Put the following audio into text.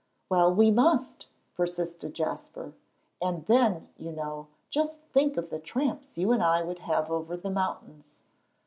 "Well, we must," persisted Jasper. "And then, you know, just think of the tramps you and I would have over the mountains."